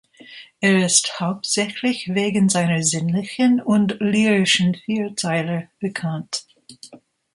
Er ist hauptsächlich wegen seiner sinnlichen und lyrischen Vierzeiler bekannt.